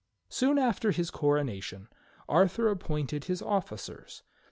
Soon after his coronation Arthur appointed his officers.